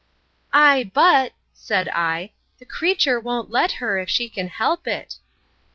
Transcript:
Ay, but, said I, the creature won't let her, if she can help it.